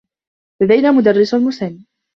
لدينا مدرّس مسنّ.